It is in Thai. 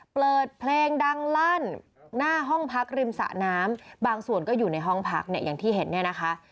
เปิดเพลงดังลั่นหน้าห้องพักริมสะน้ำบางส่วนก็อยู่ในห้องพักเนี่ยอย่างที่เห็นเนี่ยนะคะ